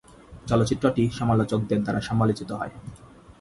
চলচ্চিত্রটি সমালোচকদের দ্বারা সমালোচিত হয়।